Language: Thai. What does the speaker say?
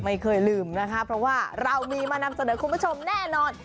ไม่เคยลืมนะคะเพราะว่าเรามีมานำเสนอคุณผู้ชมแน่นอน